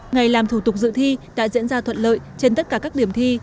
ngày làm thủ tục dự thi đã diễn ra thuận lợi trên tất cả các điểm thi